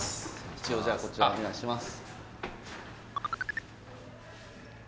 一応じゃあこちらお願いします